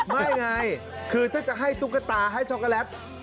ไม่ไงคือถ้าจะให้ตุ๊กตาให้ช็อกโกแลต